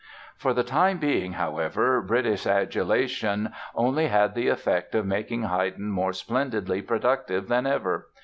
For the time being, however, British adulation only had the effect of making Haydn more splendidly productive than ever.